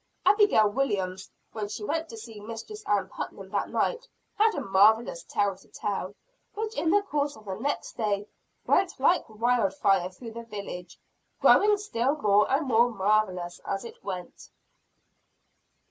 Abigail Williams, when she went to see Mistress Ann Putnam that night, had a marvelous tale to tell; which in the course of the next day, went like wildfire through the village, growing still more and more marvelous as it went.